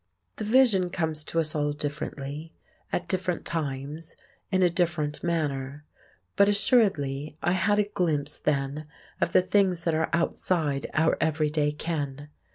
The Vision comes to us all differently, at different times, in a different manner; but assuredly I had a glimpse then of the things that are outside our everyday ken.